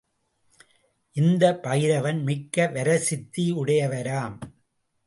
இந்த பைரவன் மிக்க வரசித்தி உடையவராம்.